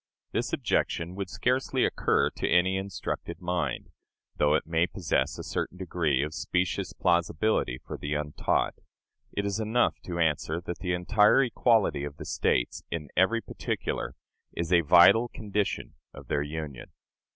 This objection would scarcely occur to any instructed mind, though it may possess a certain degree of specious plausibility for the untaught. It is enough to answer that the entire equality of the States, in every particular, is a vital condition of their union.